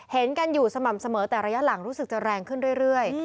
เห็นกันอยู่สม่ำเสมอแต่ระยะหลังรู้สึกจะแรงขึ้นเรื่อย